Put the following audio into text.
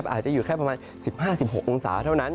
อาจจะอยู่แค่ประมาณ๑๕๑๖องศาเท่านั้น